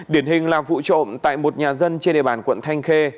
điển hình là vụ trộm tại một nhà dân trên địa bàn quận thanh khê